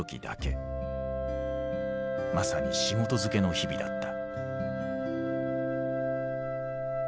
まさに仕事づけの日々だった。